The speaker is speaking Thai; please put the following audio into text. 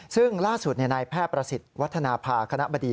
ซึ่งล่าสุดนายแพทย์ประสิทธิ์วัฒนภาคณะบดี